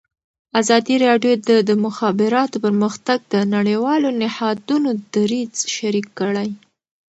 ازادي راډیو د د مخابراتو پرمختګ د نړیوالو نهادونو دریځ شریک کړی.